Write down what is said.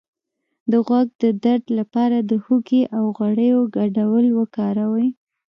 د غوږ د درد لپاره د هوږې او غوړیو ګډول وکاروئ